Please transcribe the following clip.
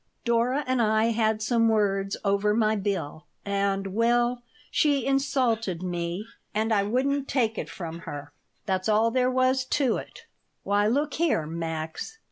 Dora and I had some words over my bill and well, she insulted me and I wouldn't take it from her. That's all there was to it. Why, look here, Max.